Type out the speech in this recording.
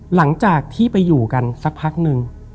หลังจากที่ไปอยู่กันสักพักนึง